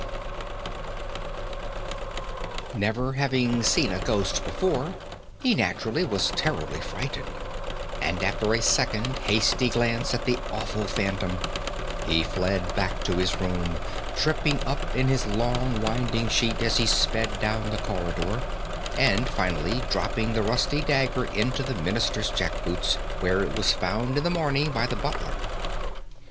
[Illustration: "ITS HEAD WAS BALD AND BURNISHED"] Never having seen a ghost before, he naturally was terribly frightened, and, after a second hasty glance at the awful phantom, he fled back to his room, tripping up in his long winding sheet as he sped down the corridor, and finally dropping the rusty dagger into the Minister's jack boots, where it was found in the morning by the butler.